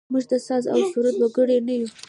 موږ د ساز او سرور وګړي نه یوو.